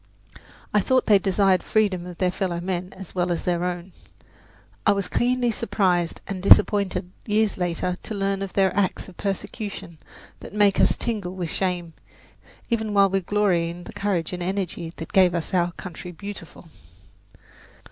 I thought they desired the freedom of their fellow men as well as their own. I was keenly surprised and disappointed years later to learn of their acts of persecution that make us tingle with shame, even while we glory in the courage and energy that gave us our "Country Beautiful."